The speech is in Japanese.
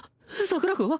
桜子